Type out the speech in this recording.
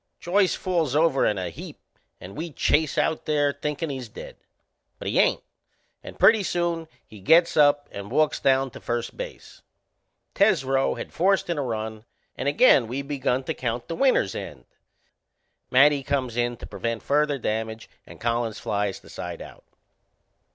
Joyce falls over in a heap and we chase out there, thinkin' he's dead; but he ain't, and pretty soon he gets up and walks down to first base. Tesreau had forced in a run and again we begun to count the winner's end. Matty comes in to prevent further damage and Collins flies the side out.